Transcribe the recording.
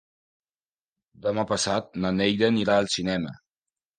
Demà passat na Neida anirà al cinema.